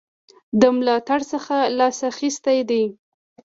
د ملاتړ څخه لاس اخیستی دی.